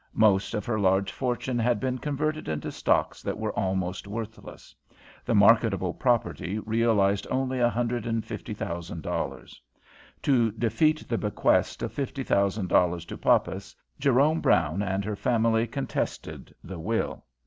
Most of her large fortune had been converted into stocks that were almost worthless. The marketable property realized only a hundred and fifty thousand dollars. To defeat the bequest of fifty thousand dollars to Poppas, Jerome Brown and her family contested the will.